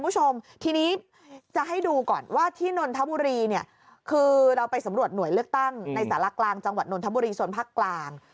จังหวัดนทบุรีส่วนภาคกลาง